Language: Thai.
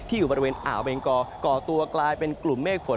อยู่บริเวณอ่าวเบงกอก่อตัวกลายเป็นกลุ่มเมฆฝน